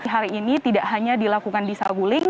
hari ini tidak hanya dilakukan di saguling